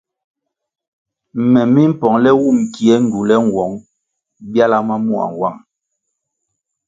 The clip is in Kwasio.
Me mi mpongʼle wum kie ngywule nwong byala ma mua nwang.